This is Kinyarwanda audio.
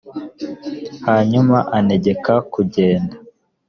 hanyuma antegeka kugenda.